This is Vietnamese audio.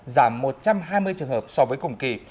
giảm một trăm hai mươi trường hợp so với cùng kỳ